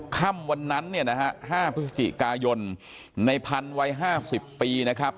ค่ำวันนั้นเนี่ยนะฮะ๕พฤศจิกายนในพันธุ์วัย๕๐ปีนะครับ